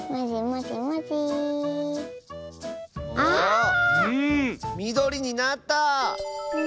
ああっ⁉みどりになった！